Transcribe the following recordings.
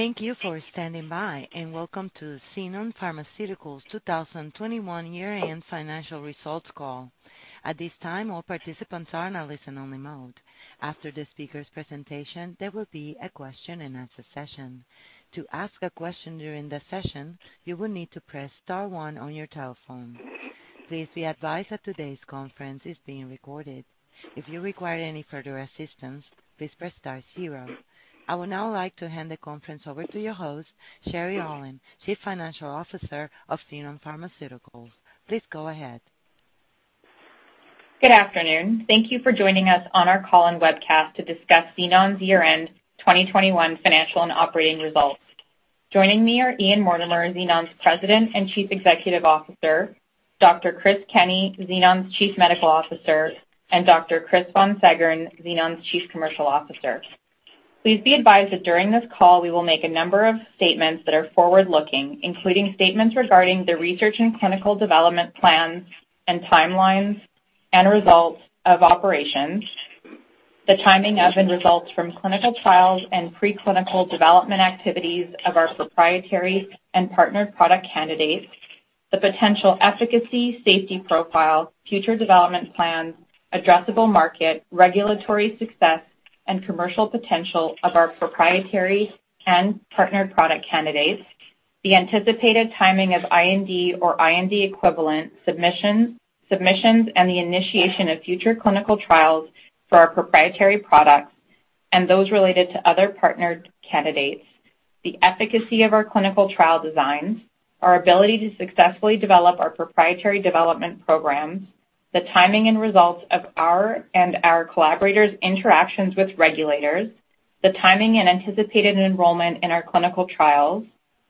Thank you for standing by, and welcome to Xenon Pharmaceuticals' 2021 year-end financial results call. At this time, all participants are in a listen-only mode. After the speaker's presentation, there will be a question-and-answer session. To ask a question during the session, you will need to press star one on your telephone. Please be advised that today's conference is being recorded. If you require any further assistance, please press star zero. I would now like to hand the conference over to your host, Sherry Aulin, Chief Financial Officer of Xenon Pharmaceuticals. Please go ahead. Good afternoon. Thank you for joining us on our call and webcast to discuss Xenon's year-end 2021 financial and operating results. Joining me are Ian Mortimer, Xenon's President and Chief Executive Officer, Dr. Chris Kenney, Xenon's Chief Medical Officer, and Dr. Chris von Seggern, Xenon's Chief Commercial Officer. Please be advised that during this call, we will make a number of statements that are forward-looking, including statements regarding the research and clinical development plans and timelines and results of operations, the timing of and results from clinical trials and preclinical development activities of our proprietary and partnered product candidates, the potential efficacy, safety profile, future development plans, addressable market, regulatory success, and commercial potential of our proprietary and partnered product candidates, the anticipated timing of IND or IND equivalent submissions and the initiation of future clinical trials for our proprietary products and those related to other partnered candidates, the efficacy of our clinical trial designs, our ability to successfully develop our proprietary development programs, the timing and results of our and our collaborators' interactions with regulators, the timing and anticipated enrollment in our clinical trials,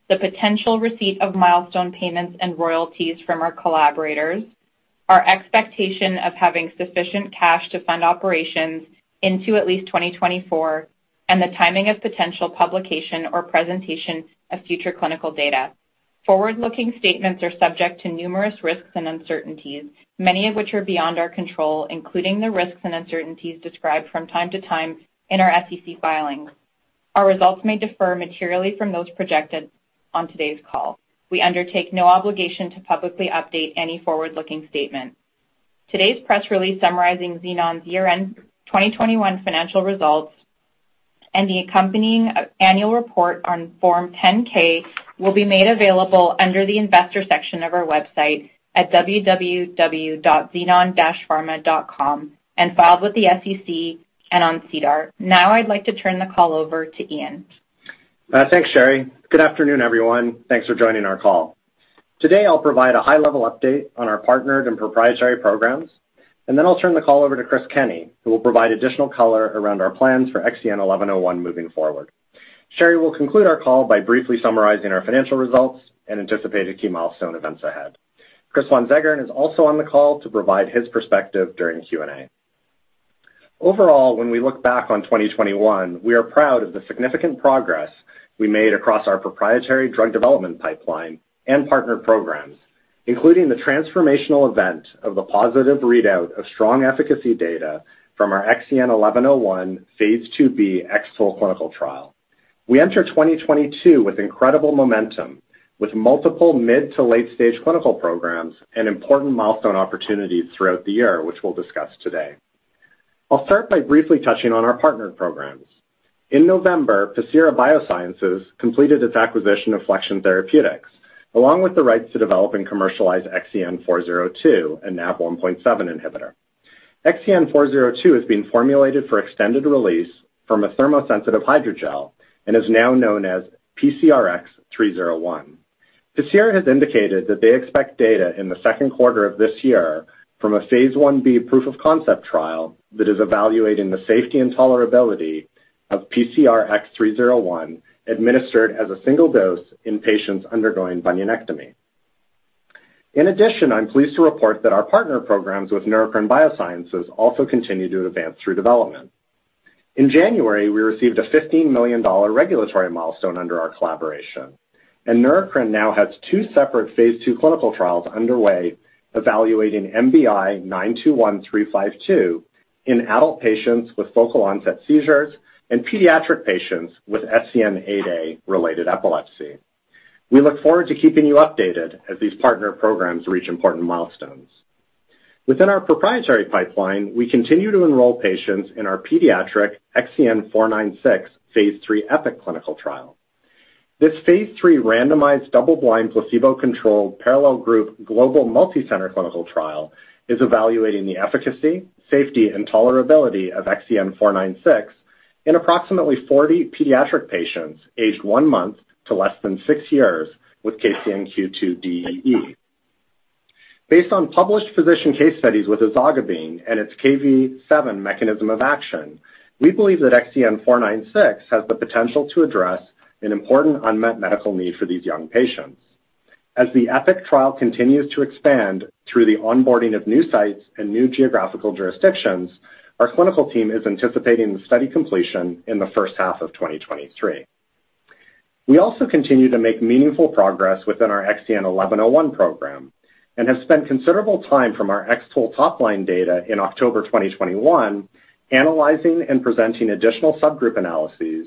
the potential receipt of milestone payments and royalties from our collaborators, our expectation of having sufficient cash to fund operations into at least 2024, and the timing of potential publication or presentation of future clinical data. Forward-looking statements are subject to numerous risks and uncertainties, many of which are beyond our control, including the risks and uncertainties described from time to time in our SEC filings. Our results may differ materially from those projected on today's call. We undertake no obligation to publicly update any forward-looking statements. Today's press release summarizing Xenon's year-end 2021 financial results and the accompanying annual report on Form 10-K will be made available under the Investors section of our website at www.xenon-pharma.com and filed with the SEC and on SEDAR. Now I'd like to turn the call over to Ian. Thanks, Sherry. Good afternoon, everyone. Thanks for joining our call. Today, I'll provide a high-level update on our partnered and proprietary programs, and then I'll turn the call over to Chris Kenney, who will provide additional color around our plans for XEN1101 moving forward. Sherry will conclude our call by briefly summarizing our financial results and anticipated key milestone events ahead. Chris von Seggern is also on the call to provide his perspective during the Q&A. Overall, when we look back on 2021, we are proud of the significant progress we made across our proprietary drug development pipeline and partnered programs, including the transformational event of the positive readout of strong efficacy data from our XEN1101 phase II-B X-TOLE clinical trial. We enter 2022 with incredible momentum, with multiple mid- to late-stage clinical programs and important milestone opportunities throughout the year, which we'll discuss today. I'll start by briefly touching on our partnered programs. In November, Pacira Biosciences completed its acquisition of Flexion Therapeutics, along with the rights to develop and commercialize XEN402, a Nav1.7 inhibitor. XEN402 is being formulated for extended release from a thermosensitive hydrogel and is now known as PCRX301. Pacira has indicated that they expect data in the second quarter of this year from a phase I-B proof of concept trial that is evaluating the safety and tolerability of PCRX301 administered as a single dose in patients undergoing bunionectomy. In addition, I'm pleased to report that our partner programs with Neurocrine Biosciences also continue to advance through development. In January, we received a $15 million regulatory milestone under our collaboration, and Neurocrine now has two separate phase II clinical trials underway evaluating NBI-921352 in adult patients with focal onset seizures and pediatric patients with SCN8A-related epilepsy. We look forward to keeping you updated as these partner programs reach important milestones. Within our proprietary pipeline, we continue to enroll patients in our pediatric XEN496 phase III EPIK clinical trial. This phase III randomized double-blind placebo-controlled parallel group global multi-center clinical trial is evaluating the efficacy, safety, and tolerability of XEN496 in approximately 40 pediatric patients aged one month to less than six years with KCNQ2-DEE. Based on published physician case studies with ezogabine and its Kv7 mechanism of action, we believe that XEN496 has the potential to address an important unmet medical need for these young patients. As the EPIK trial continues to expand through the onboarding of new sites and new geographical jurisdictions, our clinical team is anticipating the study completion in the first half of 2023. We also continue to make meaningful progress within our XEN1101 program and have spent considerable time since our X-TOLE topline data in October 2021, analyzing and presenting additional subgroup analysis,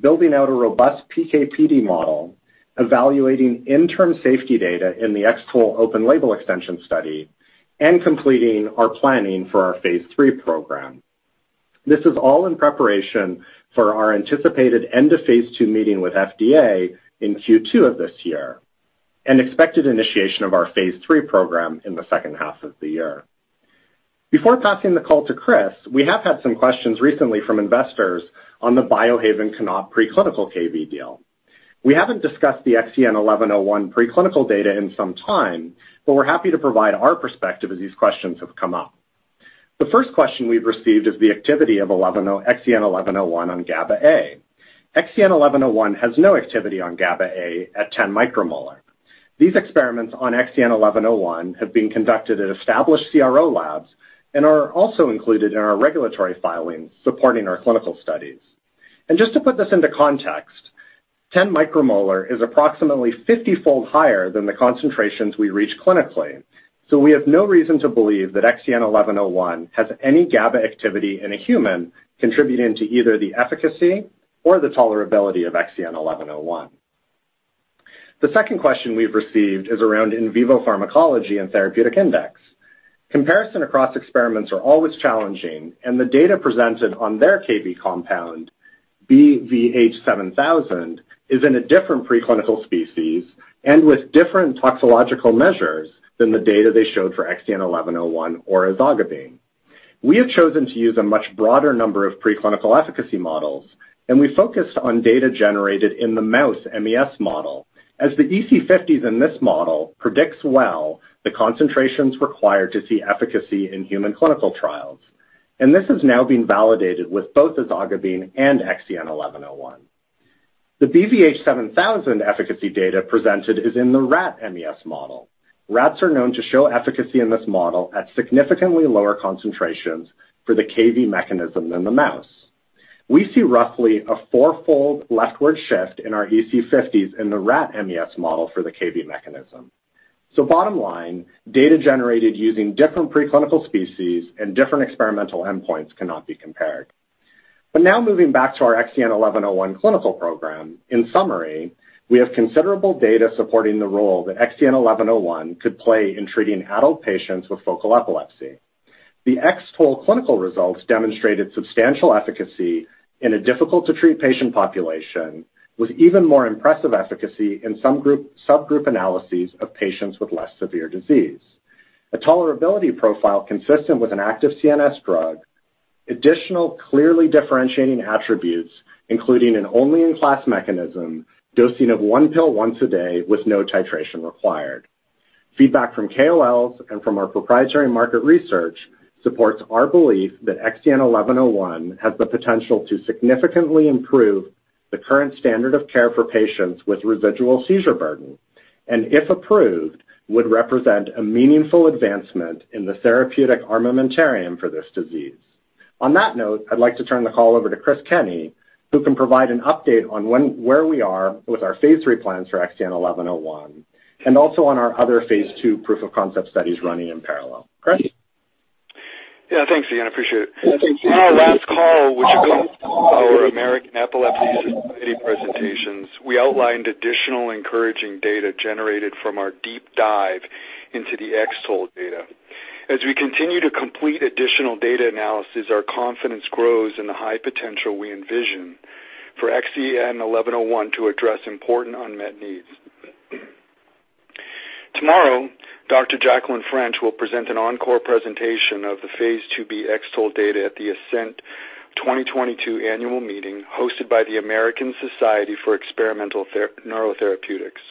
building out a robust PK/PD model, evaluating interim safety data in the X-TOLE open-label extension study, and completing our planning for our phase III program. This is all in preparation for our anticipated end-of-phase II meeting with FDA in Q2 of this year and expected initiation of our phase III program in the second half of the year. Before passing the call to Chris, we have had some questions recently from investors on the Biohaven cannab preclinical Kv7 deal. We haven't discussed the XEN1101 preclinical data in some time, but we're happy to provide our perspective as these questions have come up. The first question we've received is the activity of XEN1101 on GABA A. XEN1101 has no activity on GABA A at 10 micromolar. These experiments on XEN1101 have been conducted at established CRO labs and are also included in our regulatory filings supporting our clinical studies. Just to put this into context, 10 micromolar is approximately 50-fold higher than the concentrations we reach clinically. We have no reason to believe that XEN1101 has any GABA activity in a human contributing to either the efficacy or the tolerability of XEN1101. The second question we've received is around in vivo pharmacology and therapeutic index. Comparison across experiments are always challenging, and the data presented on their Kv7 compound, BHV-7000, is in a different preclinical species and with different toxicological measures than the data they showed for XEN1101 or ezogabine. We have chosen to use a much broader number of preclinical efficacy models, and we focused on data generated in the mouse MES model as the EC50s in this model predicts well the concentrations required to see efficacy in human clinical trials. This has now been validated with both ezogabine and XEN1101. The BHV-7000 efficacy data presented is in the rat MES model. Rats are known to show efficacy in this model at significantly lower concentrations for the Kv7 mechanism than the mouse. We see roughly a four-fold leftward shift in our EC50s in the rat MES model for the Kv7 mechanism. Bottom line, data generated using different preclinical species and different experimental endpoints cannot be compared. Now moving back to our XEN1101 clinical program. In summary, we have considerable data supporting the role that XEN1101 could play in treating adult patients with focal epilepsy. The X-TOLE clinical results demonstrated substantial efficacy in a difficult to treat patient population with even more impressive efficacy in some subgroup analyses of patients with less severe disease. A tolerability profile consistent with an active CNS drug. Additional clearly differentiating attributes, including an only in class mechanism dosing of one pill once a day with no titration required. Feedback from KOLs and from our proprietary market research supports our belief that XEN1101 has the potential to significantly improve the current standard of care for patients with residual seizure burden, and if approved, would represent a meaningful advancement in the therapeutic armamentarium for this disease. On that note, I'd like to turn the call over to Chris Kenney, who can provide an update on where we are with our phase III plans for XEN1101 and also on our other phase II proof of concept studies running in parallel. Chris? Yeah, thanks, Ian. I appreciate it. On our last call, which includes our American Epilepsy Society presentations, we outlined additional encouraging data generated from our deep dive into the X-TOLE data. As we continue to complete additional data analysis, our confidence grows in the high potential we envision for XEN1101 to address important unmet needs. Tomorrow, Dr. Jacqueline French will present an encore presentation of the phase II-B X-TOLE data at the ASENT 2022 annual meeting hosted by the American Society for Experimental NeuroTherapeutics.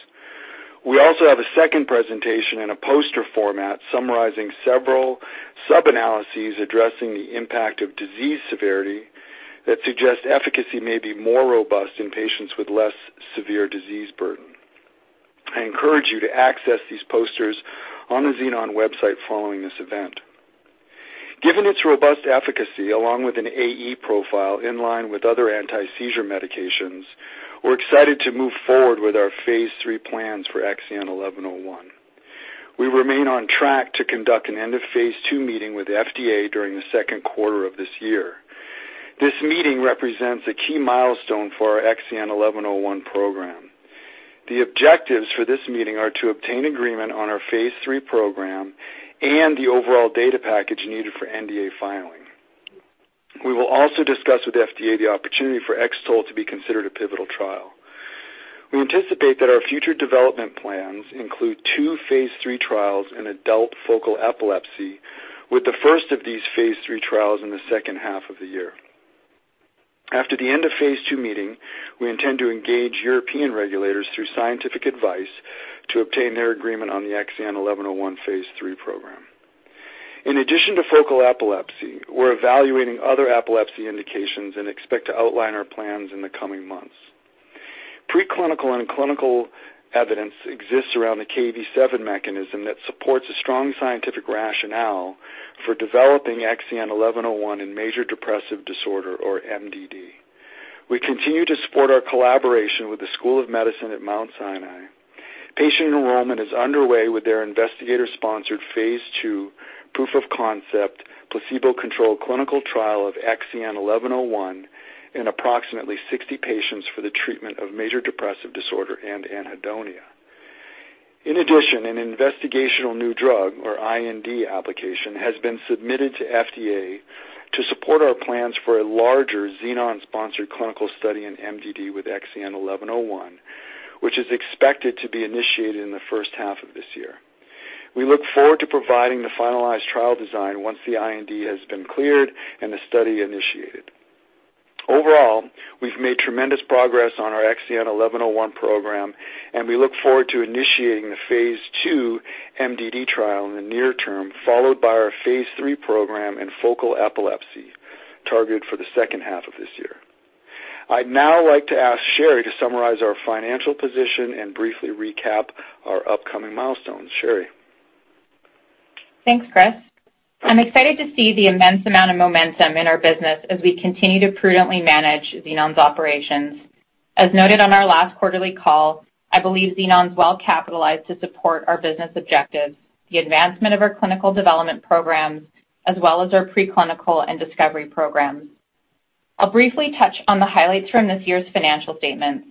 We also have a second presentation in a poster format summarizing several sub-analyses addressing the impact of disease severity that suggest efficacy may be more robust in patients with less severe disease burden. I encourage you to access these posters on the Xenon website following this event. Given its robust efficacy along with an AE profile in line with other anti-seizure medications, we're excited to move forward with our phase III plans for XEN1101. We remain on track to conduct an end of phase II meeting with FDA during the second quarter of this year. This meeting represents a key milestone for our XEN1101 program. The objectives for this meeting are to obtain agreement on our phase III program and the overall data package needed for NDA filing. We will also discuss with FDA the opportunity for X-TOLE to be considered a pivotal trial. We anticipate that our future development plans include two phase III trials in adult focal epilepsy, with the first of these phase III trials in the second half of the year. After the end of phase II meeting, we intend to engage European regulators through scientific advice to obtain their agreement on the XEN1101 phase III program. In addition to focal epilepsy, we're evaluating other epilepsy indications and expect to outline our plans in the coming months. Preclinical and clinical evidence exists around the Kv7 mechanism that supports a strong scientific rationale for developing XEN1101 in major depressive disorder, or MDD. We continue to support our collaboration with the School of Medicine at Mount Sinai. Patient enrollment is underway with their investigator-sponsored phase II proof of concept, placebo-controlled clinical trial of XEN1101 in approximately 60 patients for the treatment of major depressive disorder and anhedonia. In addition, an investigational new drug or IND application has been submitted to FDA to support our plans for a larger Xenon-sponsored clinical study in MDD with XEN1101, which is expected to be initiated in the first half of this year. We look forward to providing the finalized trial design once the IND has been cleared and the study initiated. Overall, we've made tremendous progress on our XEN1101 program, and we look forward to initiating the phase II MDD trial in the near term, followed by our phase III program in focal epilepsy, targeted for the second half of this year. I'd now like to ask Sherry to summarize our financial position and briefly recap our upcoming milestones. Sherry? Thanks, Chris. I'm excited to see the immense amount of momentum in our business as we continue to prudently manage Xenon's operations. As noted on our last quarterly call, I believe Xenon's well-capitalized to support our business objectives, the advancement of our clinical development programs, as well as our preclinical and discovery programs. I'll briefly touch on the highlights from this year's financial statements.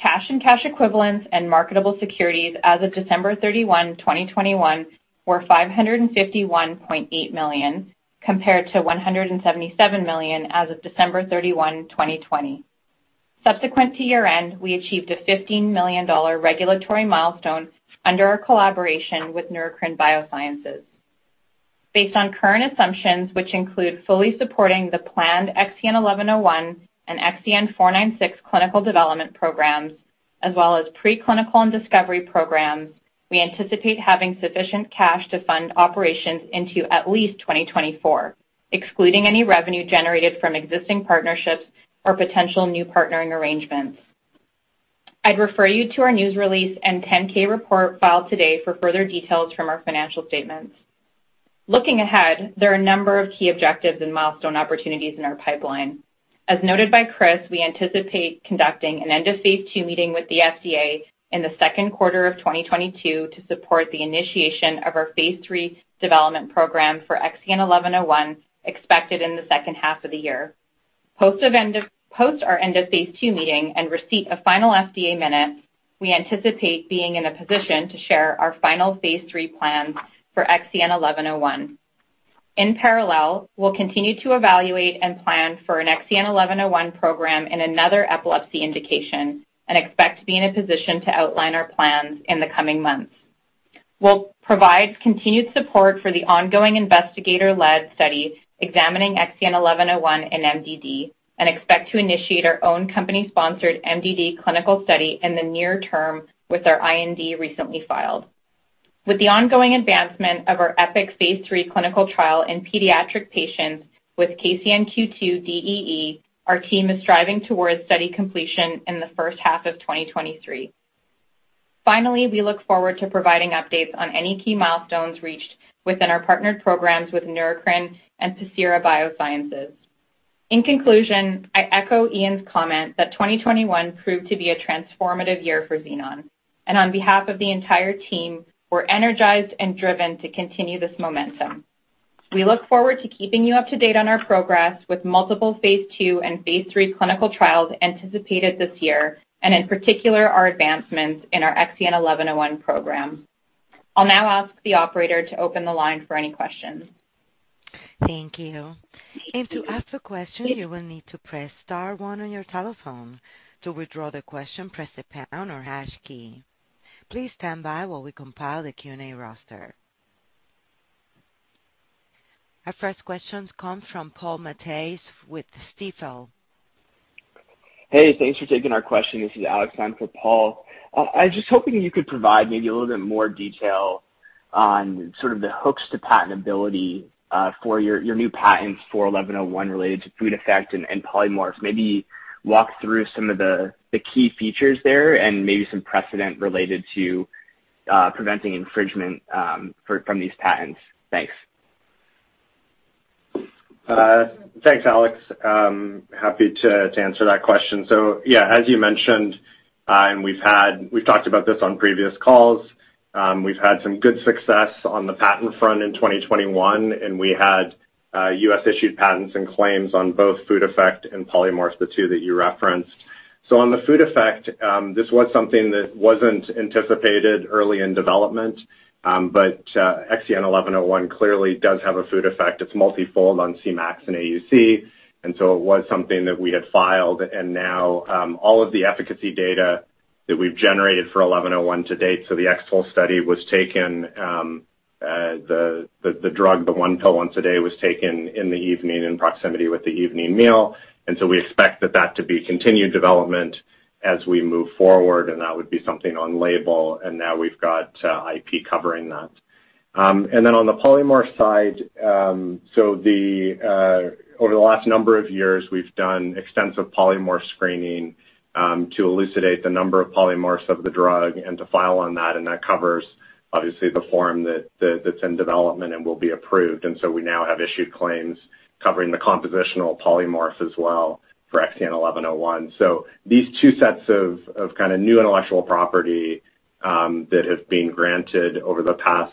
Cash and cash equivalents and marketable securities as of December 31, 2021 were $551.8 million, compared to $177 million as of December 31, 2020. Subsequent to year-end, we achieved a $15 million regulatory milestone under our collaboration with Neurocrine Biosciences. Based on current assumptions, which include fully supporting the planned XEN1101 and XEN496 clinical development programs, as well as preclinical and discovery programs, we anticipate having sufficient cash to fund operations into at least 2024, excluding any revenue generated from existing partnerships or potential new partnering arrangements. I'd refer you to our news release and 10-K report filed today for further details from our financial statements. Looking ahead, there are a number of key objectives and milestone opportunities in our pipeline. As noted by Chris, we anticipate conducting an end-of-phase II meeting with the FDA in the second quarter of 2022 to support the initiation of our phase III development program for XEN1101 expected in the second half of the year. Post our end of phase II meeting and receipt of final FDA minutes, we anticipate being in a position to share our final phase III plans for XEN1101. In parallel, we'll continue to evaluate and plan for an XEN1101 program in another epilepsy indication and expect to be in a position to outline our plans in the coming months. We'll provide continued support for the ongoing investigator-led study examining XEN1101 in MDD and expect to initiate our own company-sponsored MDD clinical study in the near term with our IND recently filed. With the ongoing advancement of our EPIK phase III clinical trial in pediatric patients with KCNQ2-DEE, our team is striving towards study completion in the first half of 2023. Finally, we look forward to providing updates on any key milestones reached within our partnered programs with Neurocrine and Pacira BioSciences. In conclusion, I echo Ian's comment that 2021 proved to be a transformative year for Xenon. On behalf of the entire team, we're energized and driven to continue this momentum. We look forward to keeping you up to date on our progress with multiple phase II and phase III clinical trials anticipated this year, and in particular, our advancements in our XEN1101 program. I'll now ask the operator to open the line for any questions. Our first question comes from Paul Matteis with Stifel. Hey, thanks for taking our question. This is Alex in for Paul. I was just hoping you could provide maybe a little bit more detail on sort of the hooks to patentability for your new patents for XEN1101 related to food effect and polymorphs. Maybe walk through some of the key features there and maybe some precedent related to preventing infringement from these patents. Thanks. Thanks, Alex. Happy to answer that question. As you mentioned, and we've talked about this on previous calls, we've had some good success on the patent front in 2021, and we had U.S. issued patents and claims on both food effect and polymorph, the two that you referenced. On the food effect, this was something that wasn't anticipated early in development, but XEN1101 clearly does have a food effect. It's multi-fold on Cmax and AUC, and so it was something that we had filed. Now, all of the efficacy data that we've generated for XEN1101 to date, so the X-TOLE study, the one pill once a day was taken in the evening in proximity with the evening meal. We expect that to be continued development as we move forward, and that would be something on label, and now we've got IP covering that. On the polymorph side, over the last number of years, we've done extensive polymorph screening to elucidate the number of polymorphs of the drug and to file on that, and that covers obviously the form that's in development and will be approved. We now have issued claims covering the compositional polymorphs as well for XEN1101. These two sets of kind of new intellectual property that have been granted over the past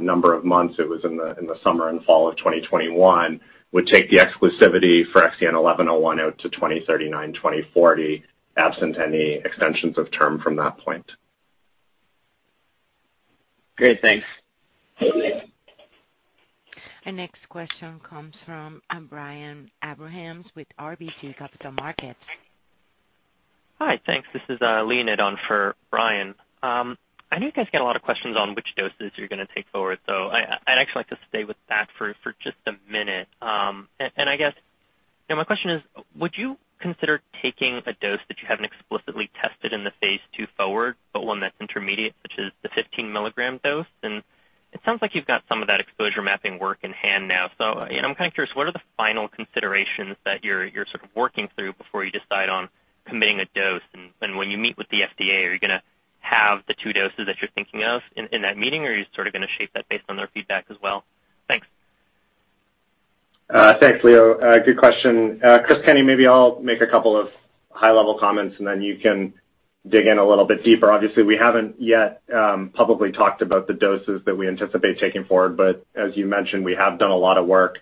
number of months in the summer and fall of 2021 would take the exclusivity for XEN1101 out to 2039-2040, absent any extensions of term from that point. Great. Thanks. Our next question comes from Brian Abrahams with RBC Capital Markets. Hi. Thanks. This is Leo in for Brian. I know you guys get a lot of questions on which doses you're gonna take forward, so I'd actually like to stay with that for just a minute. I guess, you know, my question is would you consider taking a dose that you haven't explicitly tested in the phase II forward, but one that's intermediate, such as the 15 milligram dose? It sounds like you've got some of that exposure mapping work in hand now. You know, I'm kind of curious, what are the final considerations that you're sort of working through before you decide on committing a dose? When you meet with the FDA, are you gonna have the two doses that you're thinking of in that meeting, or are you sort of gonna shape that based on their feedback as well? Thanks. Thanks, Leo. Good question. Chris Kenney, maybe I'll make a couple of high-level comments, and then you can dig in a little bit deeper. Obviously, we haven't yet publicly talked about the doses that we anticipate taking forward, but as you mentioned, we have done a lot of work,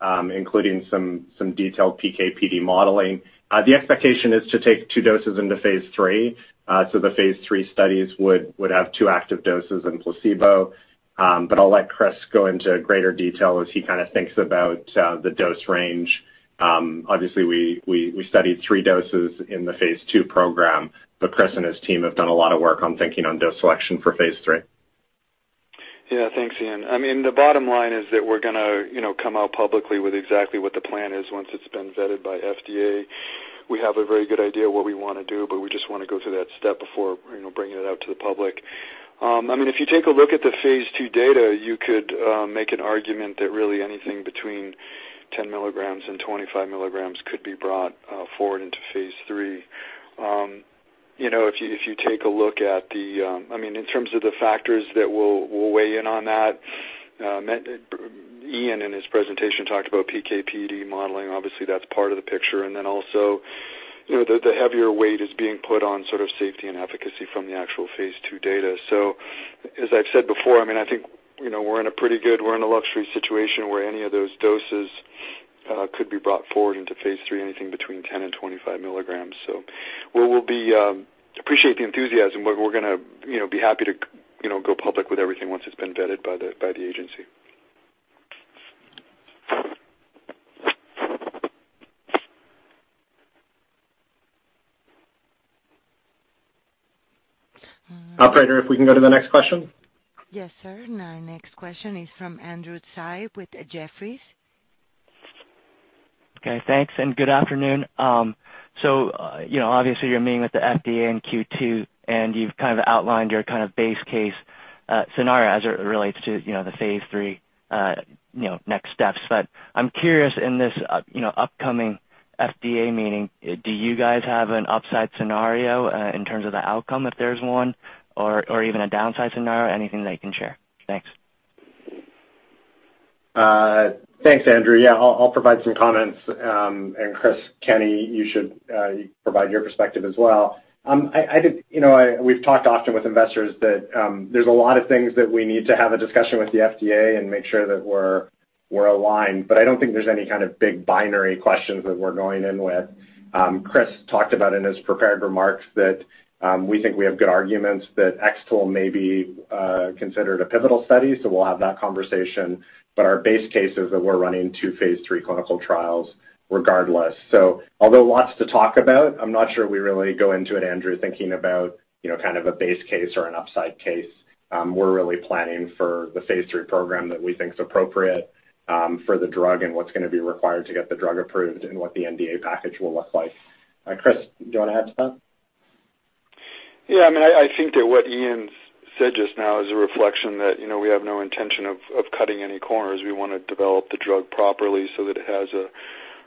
including some detailed PK/PD modeling. The expectation is to take two doses into phase III. So the phase III studies would have two active doses and placebo. But I'll let Chris go into greater detail as he kind of thinks about the dose range. Obviously we studied three doses in the phase II program, but Chris and his team have done a lot of work on thinking on dose selection for phase III. Yeah, thanks, Ian. I mean, the bottom line is that we're gonna, you know, come out publicly with exactly what the plan is once it's been vetted by FDA. We have a very good idea what we wanna do, but we just wanna go through that step before, you know, bringing it out to the public. I mean, if you take a look at the phase II data, you could make an argument that really anything between 10 milligrams and 25 milligrams could be brought forward into phase III. You know, if you take a look at the, I mean, in terms of the factors that we'll weigh in on that, Ian, in his presentation, talked about PK/PD modeling. Obviously, that's part of the picture. You know, the heavier weight is being put on sort of safety and efficacy from the actual phase II data. As I've said before, I mean, I think, you know, we're in a luxury situation where any of those doses could be brought forward into phase III, anything between 10 to 25 milligrams. We'll appreciate the enthusiasm, but we're gonna, you know, be happy to go public with everything once it's been vetted by the agency. Operator, if we can go to the next question. Yes, sir. Our next question is from Andrew Tsai with Jefferies. Okay, thanks, good afternoon. You know, obviously you're meeting with the FDA in Q2, and you've kind of outlined your kind of base case scenario as it relates to, you know, the phase III next steps. I'm curious, in this you know, upcoming FDA meeting, do you guys have an upside scenario in terms of the outcome, if there's one, or even a downside scenario? Anything that you can share. Thanks. Thanks, Andrew. Yeah, I'll provide some comments. And Chris Kenney, you should provide your perspective as well. I think, you know, we've talked often with investors that there's a lot of things that we need to have a discussion with the FDA and make sure that we're aligned, but I don't think there's any kind of big binary questions that we're going in with. Chris talked about in his prepared remarks that we think we have good arguments that X-TOLE may be considered a pivotal study, so we'll have that conversation. But our base case is that we're running two phase III clinical trials regardless. Although lots to talk about, I'm not sure we really go into it, Andrew, thinking about, you know, kind of a base case or an upside case. We're really planning for the phase III program that we think is appropriate for the drug and what's gonna be required to get the drug approved and what the NDA package will look like. Chris, do you wanna add to that? Yeah, I mean, I think that what Ian's said just now is a reflection that, you know, we have no intention of cutting any corners. We wanna develop the drug properly so that it has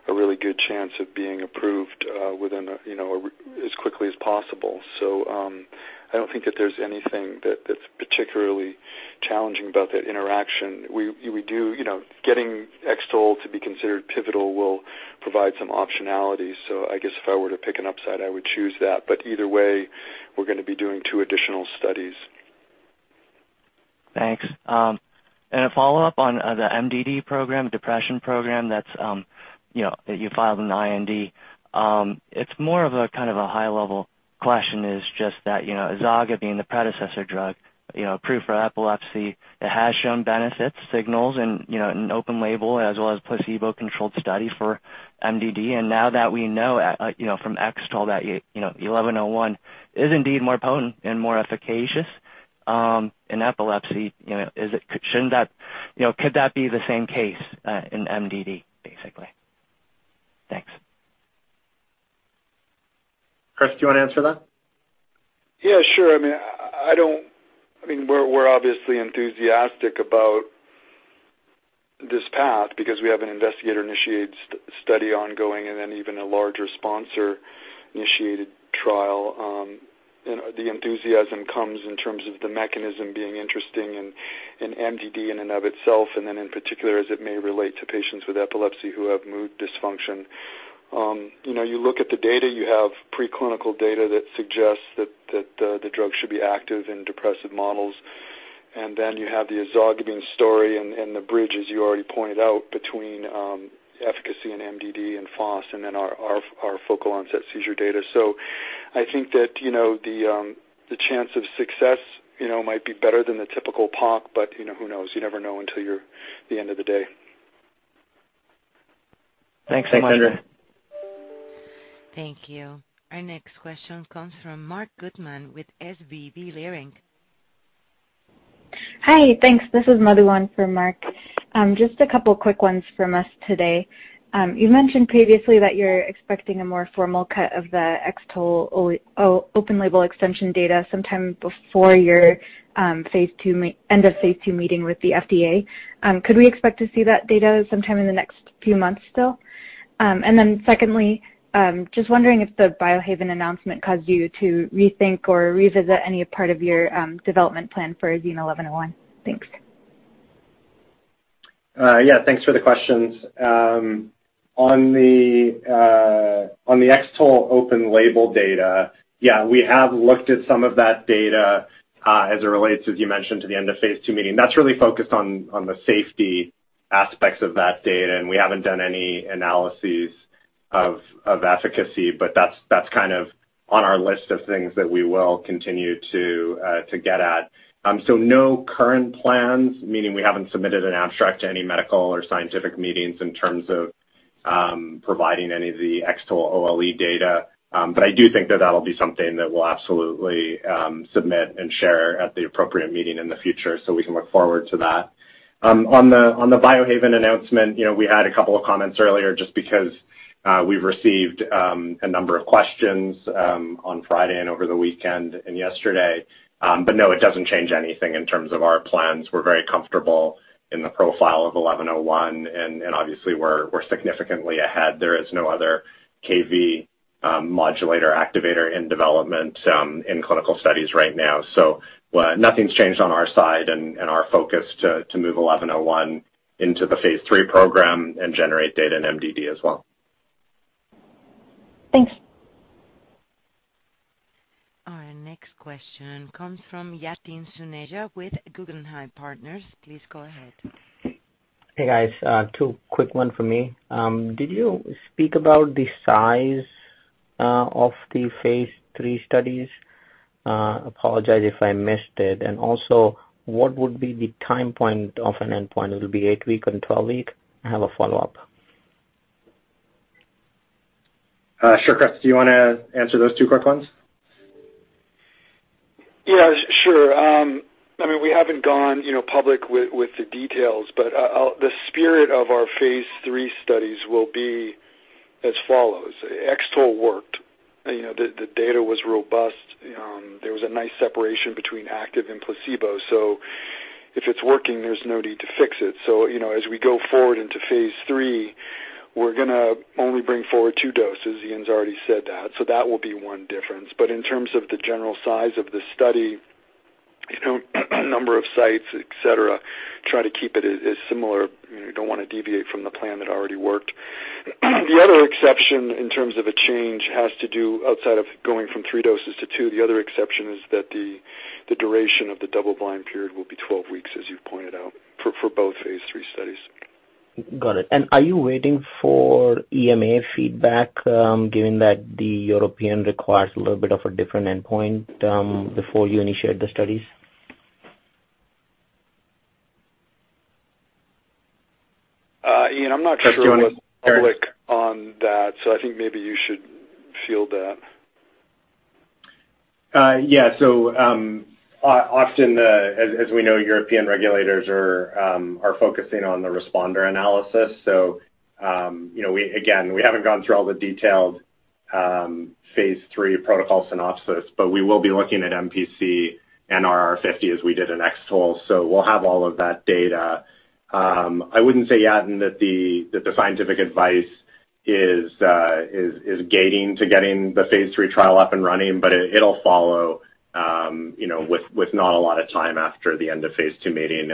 a really good chance of being approved within, you know, as quickly as possible. I don't think that there's anything that's particularly challenging about that interaction. We do, you know, getting X-TOLE to be considered pivotal will provide some optionality. I guess if I were to pick an upside, I would choose that. Either way, we're gonna be doing two additional studies. Thanks. A follow-up on the MDD program, depression program that's you know that you filed an IND. It's more of a kind of a high level question is just that, you know, ezogabine being the predecessor drug, you know, approved for epilepsy. It has shown benefits, signals in, you know, an open label as well as placebo-controlled study for MDD. Now that we know from X-TOLE that XEN1101 is indeed more potent and more efficacious in epilepsy, you know, shouldn't that, you know, could that be the same case in MDD, basically? Thanks. Chris, do you wanna answer that? Yeah, sure. I mean, we're obviously enthusiastic about this path because we have an investigator-initiated study ongoing and then even a larger sponsor-initiated trial. The enthusiasm comes in terms of the mechanism being interesting in MDD in and of itself, and then in particular, as it may relate to patients with epilepsy who have mood dysfunction. You know, you look at the data, you have preclinical data that suggests that the drug should be active in depressive models, and then you have the ezogabine story and the bridge, as you already pointed out, between efficacy in MDD and FOS and then our focal onset seizure data. So I think that, you know, the chance of success, you know, might be better than the typical POC, but who knows? You never know until you're at the end of the day. Thanks. Take care. Thank you. Our next question comes from Marc Goodman with SVB Leerink. Hi. Thanks. This is Maddy for Marc. Just a couple quick ones from us today. You mentioned previously that you're expecting a more formal cut of the X-TOLE open label extension data sometime before your end of phase II meeting with the FDA. Could we expect to see that data sometime in the next few months still? Secondly, just wondering if the Biohaven announcement caused you to rethink or revisit any part of your development plan for XEN1101. Thanks. Yeah, thanks for the questions. On the X-TOLE open label data, yeah, we have looked at some of that data, as it relates, as you mentioned, to the end of phase II meeting. That's really focused on the safety aspects of that data, and we haven't done any analyses of efficacy, but that's kind of on our list of things that we will continue to get at. No current plans, meaning we haven't submitted an abstract to any medical or scientific meetings in terms of providing any of the X-TOLE OLE data. I do think that that'll be something that we'll absolutely submit and share at the appropriate meeting in the future, so we can look forward to that. On the Biohaven announcement, you know, we had a couple of comments earlier just because we've received a number of questions on Friday and over the weekend and yesterday. No, it doesn't change anything in terms of our plans. We're very comfortable in the profile of XEN1101 and obviously we're significantly ahead. There is no other Kv7 modulator activator in development in clinical studies right now. Nothing's changed on our side and our focus to move XEN1101 into the phase III program and generate data in MDD as well. Thanks. Our next question comes from Yatin Suneja with Guggenheim Partners. Please go ahead. Hey, guys. Two quick ones for me. Did you speak about the size of the phase III studies? Apologize if I missed it. Also, what would be the time point of an endpoint? It'll be eight-week and 12-week? I have a follow-up. Sure. Chris, do you wanna answer those two quick ones? Yeah, sure. I mean, we haven't gone public with the details, but the spirit of our phase III studies will be as follows. X-TOLE worked. The data was robust. There was a nice separation between active and placebo. If it's working, there's no need to fix it. As we go forward into phase III, we're gonna only bring forward two doses. Ian's already said that. That will be one difference. In terms of the general size of the study, number of sites, et cetera, try to keep it as similar. Don't wanna deviate from the plan that already worked. The other exception in terms of a change has to do outside of going from three doses to two, the other exception is that the duration of the double-blind period will be 12 weeks, as you've pointed out, for both phase III studies. Got it. Are you waiting for EMA feedback, given that the European requires a little bit of a different endpoint, before you initiate the studies? Ian, I'm not sure what's public on that, so I think maybe you should field that. Often, as we know, European regulators are focusing on the responder analysis. You know, again, we haven't gone through all the detailed phase III protocol synopsis, but we will be looking at MPC and RR50 as we did in X-TOLE. We'll have all of that data. I wouldn't say yet in that the scientific advice is gating to getting the phase III trial up and running, but it'll follow, you know, with not a lot of time after the end of phase II meeting.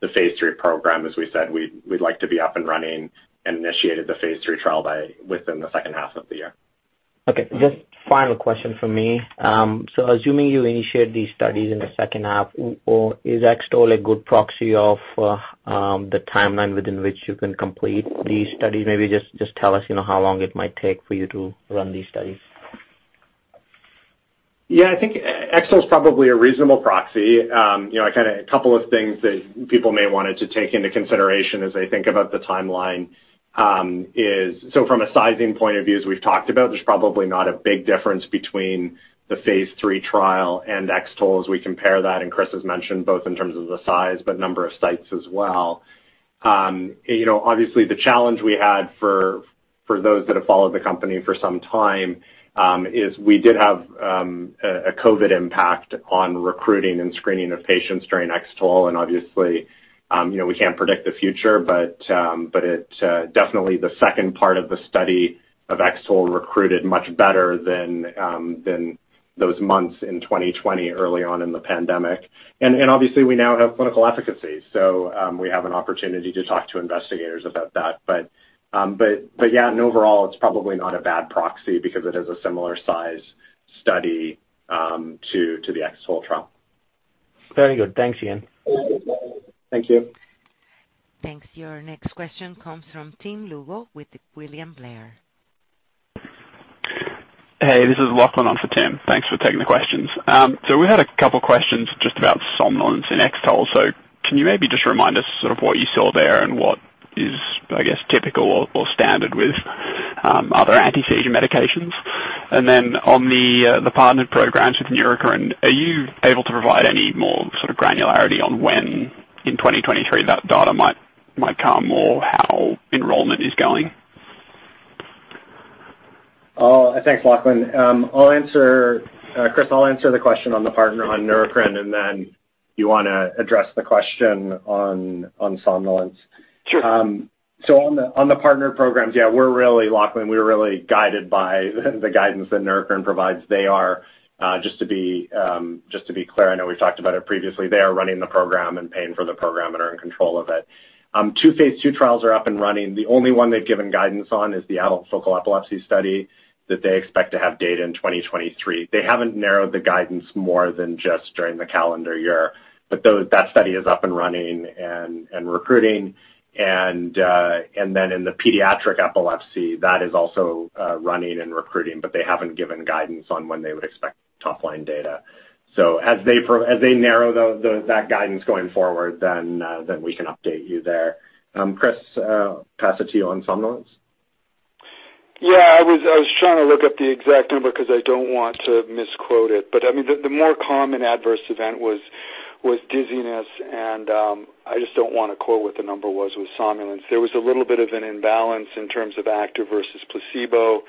The phase III program, as we said, we'd like to be up and running and initiated the phase III trial within the second half of the year. Okay. Just final question for me. Assuming you initiate these studies in the second half, is X-TOLE a good proxy of the timeline within which you can complete these studies? Maybe just tell us, you know, how long it might take for you to run these studies. Yeah. I think X-TOLE is probably a reasonable proxy. You know, kind of a couple of things that people may want to take into consideration as they think about the timeline, is so from a sizing point of view, as we've talked about, there's probably not a big difference between the phase III trial and X-TOLE as we compare that, and Chris has mentioned both in terms of the size, but number of sites as well. You know, obviously the challenge we had for those that have followed the company for some time, is we did have a COVID impact on recruiting and screening of patients during X-TOLE. Obviously, you know, we can't predict the future, but definitely the second part of the study of X-TOLE recruited much better than those months in 2020 early on in the pandemic. Obviously we now have clinical efficacy, so we have an opportunity to talk to investigators about that. Yeah, overall it's probably not a bad proxy because it is a similar size study to the X-TOLE trial. Very good. Thanks, Ian. Thank you. Thanks. Your next question comes from Tim Lugo with William Blair. Hey, this is Lachlan on for Tim. Thanks for taking the questions. We had a couple questions just about somnolence in X-TOLE. Can you maybe just remind us sort of what you saw there and what is, I guess, typical or standard with other anti-seizure medications? On the partnered programs with Neurocrine, are you able to provide any more sort of granularity on when in 2023 that data might come or how enrollment is going? Oh, thanks, Lachlan. Chris, I'll answer the question on Neurocrine, and then you wanna address the question on somnolence. Sure. On the partner programs, yeah, we're really, Lachlan, guided by the guidance that Neurocrine provides. They are just to be clear, I know we've talked about it previously. They are running the program and paying for the program and are in control of it. Two phase II trials are up and running. The only one they've given guidance on is the adult focal epilepsy study that they expect to have data in 2023. They haven't narrowed the guidance more than just during the calendar year. That study is up and running and recruiting. In the pediatric epilepsy, that is also running and recruiting, but they haven't given guidance on when they would expect top-line data. As they narrow that guidance going forward, then we can update you there. Chris, pass it to you on somnolence. Yeah. I was trying to look up the exact number 'cause I don't want to misquote it. I mean, the more common adverse event was dizziness and I just don't wanna quote what the number was with somnolence. There was a little bit of an imbalance in terms of active versus placebo.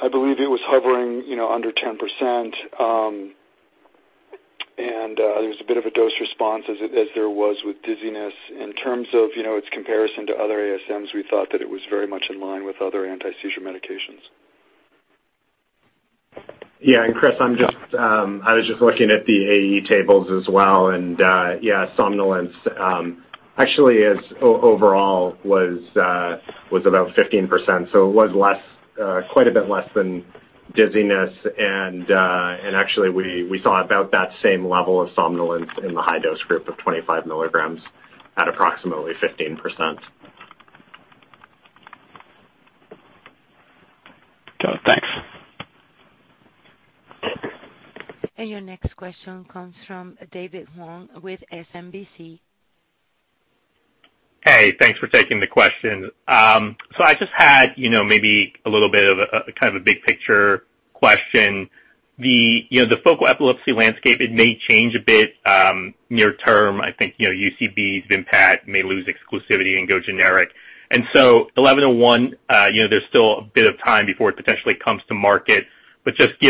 I believe it was hovering, you know, under 10%, and there was a bit of a dose response as there was with dizziness. In terms of, you know, its comparison to other ASMs, we thought that it was very much in line with other anti-seizure medications. Chris, I was just looking at the AE tables as well, and somnolence actually was overall about 15%. It was quite a bit less than dizziness. Actually, we saw about that same level of somnolence in the high dose group of 25 milligrams at approximately 15%. Got it. Thanks. Your next question comes from David Wong with SMBC. Hey, thanks for taking the question. So I just had, you know, maybe a little bit of a kind of a big picture question. You know, the focal epilepsy landscape may change a bit near term. I think, you know, UCB's Vimpat may lose exclusivity and go generic. XEN1101, you know, there's still a bit of time before it potentially comes to market. Just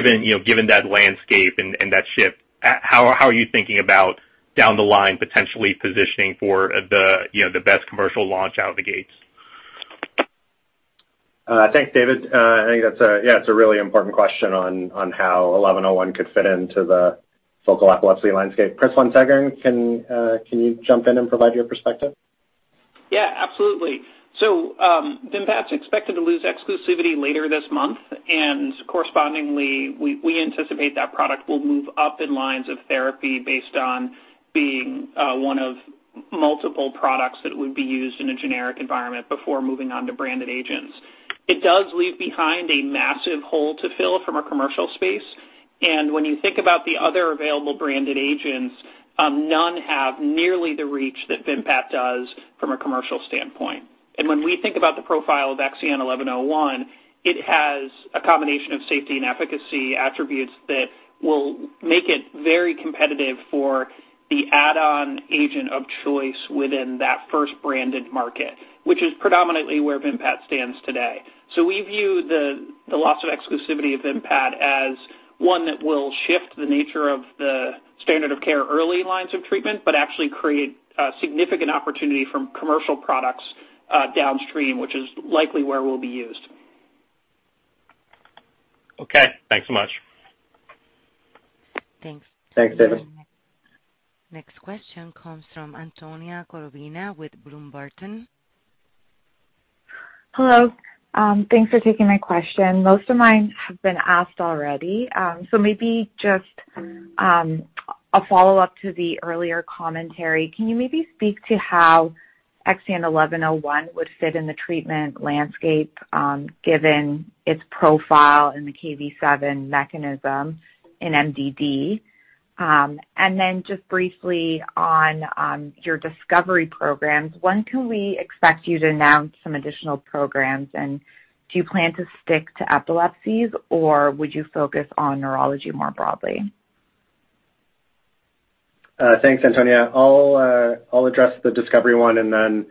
given that landscape and that shift, how are you thinking about down the line potentially positioning for the best commercial launch out of the gates? Thanks, David. I think that's a really important question on how XEN1101 could fit into the focal epilepsy landscape. Chris von Seggern, can you jump in and provide your perspective? Yeah, absolutely. Vimpat's expected to lose exclusivity later this month, and correspondingly, we anticipate that product will move up in lines of therapy based on being one of multiple products that would be used in a generic environment before moving on to branded agents. It does leave behind a massive hole to fill from a commercial space. When you think about the other available branded agents, none have nearly the reach that Vimpat does from a commercial standpoint. When we think about the profile of XEN1101, it has a combination of safety and efficacy attributes that will make it very competitive for the add-on agent of choice within that first branded market, which is predominantly where Vimpat stands today. We view the loss of exclusivity of Vimpat as one that will shift the nature of the standard of care early lines of treatment, but actually create a significant opportunity from commercial products downstream, which is likely where we'll be used. Okay. Thanks so much. Thanks. Thanks, David. Next question comes from Antonia Borovina with Bloom Burton. Hello. Thanks for taking my question. Most of mine have been asked already, so maybe just a follow-up to the earlier commentary. Can you maybe speak to how XEN1101 would fit in the treatment landscape, given its profile and the Kv7 mechanism in MDD? Just briefly on your discovery programs. When can we expect you to announce some additional programs, and do you plan to stick to epilepsies, or would you focus on neurology more broadly? Thanks, Antonia. I'll address the discovery one, and then,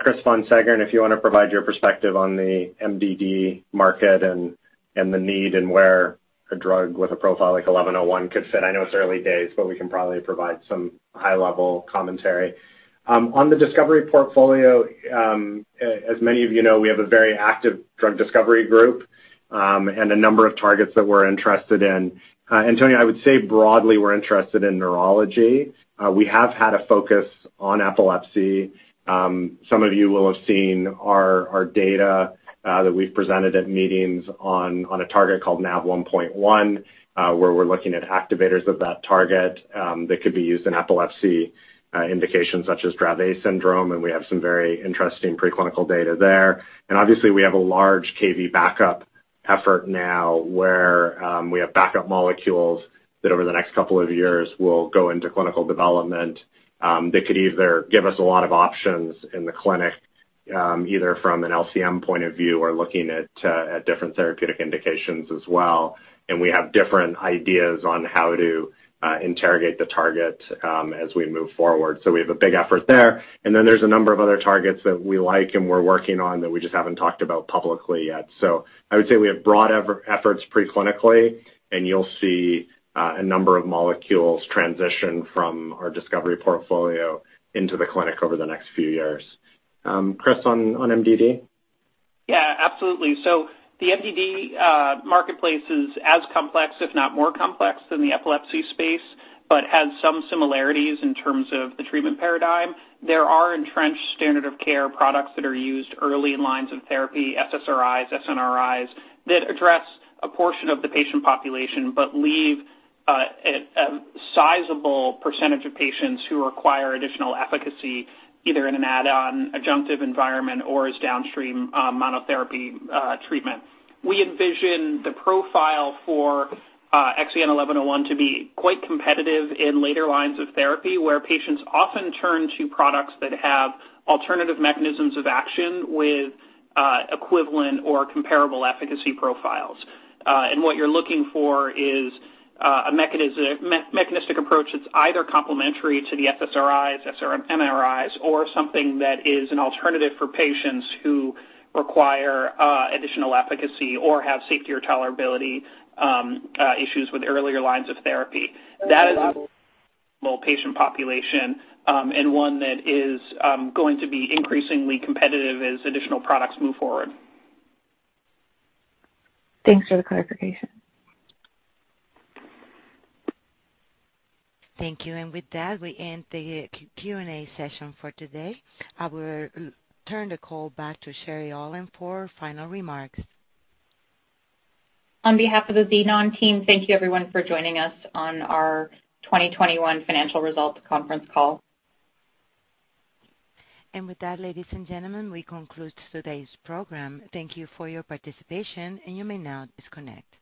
Chris von Seggern, if you wanna provide your perspective on the MDD market and the need and where a drug with a profile like XEN1101 could fit. I know it's early days, but we can probably provide some high-level commentary. On the discovery portfolio, as many of you know, we have a very active drug discovery group, and a number of targets that we're interested in. Antonia, I would say broadly we're interested in neurology. We have had a focus on epilepsy. Some of you will have seen our data that we've presented at meetings on a target called Nav1.1, where we're looking at activators of that target that could be used in epilepsy indications such as Dravet syndrome, and we have some very interesting preclinical data there. Obviously, we have a large Kv backup effort now where we have backup molecules that over the next couple of years will go into clinical development that could either give us a lot of options in the clinic, either from an LCM point of view or looking at different therapeutic indications as well. We have different ideas on how to interrogate the target as we move forward. We have a big effort there. There's a number of other targets that we like and we're working on that we just haven't talked about publicly yet. I would say we have broad efforts pre-clinically, and you'll see a number of molecules transition from our discovery portfolio into the clinic over the next few years. Chris, on MDD? Yeah, absolutely. The MDD marketplace is as complex, if not more complex than the epilepsy space, but has some similarities in terms of the treatment paradigm. There are entrenched standard of care products that are used early in lines of therapy, SSRIs, SNRIs, that address a portion of the patient population, but leave a sizable percentage of patients who require additional efficacy, either in an add-on adjunctive environment or as downstream monotherapy treatment. We envision the profile for XEN1101 to be quite competitive in later lines of therapy, where patients often turn to products that have alternative mechanisms of action with equivalent or comparable efficacy profiles. What you're looking for is a mechanistic approach that's either complementary to the SSRIs, SNRIs or something that is an alternative for patients who require additional efficacy or have safety or tolerability issues with earlier lines of therapy. That is a small patient population, and one that is going to be increasingly competitive as additional products move forward. Thanks for the clarification. Thank you. With that, we end the Q&A session for today. I will turn the call back to Sherry Aulin for final remarks. On behalf of the Xenon team, thank you everyone for joining us on our 2021 financial results conference call. With that, ladies and gentlemen, we conclude today's program. Thank you for your participation, and you may now disconnect.